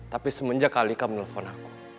tapi semenjak kalika menelpon aku